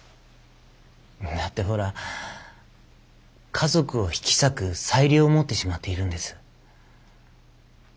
だってほら家族を引き裂く裁量を持ってしまっているんです。